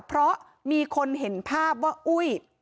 เพราะมีคนเห็นภาพว่าอุ้ย